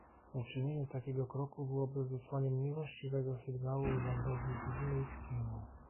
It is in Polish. Uczynienie takiego kroku byłoby wysłaniem niewłaściwego sygnału rządowi gwinejskiemu